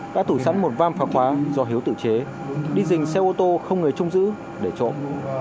đã tủ sẵn một vam phá khóa do hiếu tự chế đi dình xe ô tô không người trung giữ để trộm